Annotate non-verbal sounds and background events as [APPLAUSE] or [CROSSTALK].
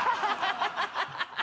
ハハハ [LAUGHS]